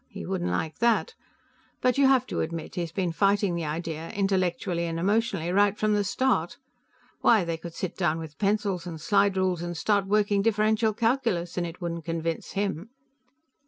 He wouldn't like that. But you have to admit he's been fighting the idea, intellectually and emotionally, right from the start. Why, they could sit down with pencils and slide rules and start working differential calculus and it wouldn't convince him."